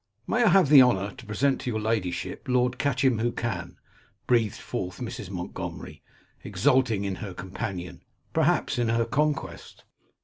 'May I have the honour to present to your ladyship Lord Catchimwhocan?' breathed forth Mrs. Montgomery, exulting in her companion, perhaps in her conquest.